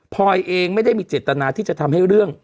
พอยเองไม่ได้มีเจตนาที่จะทำให้เรื่อง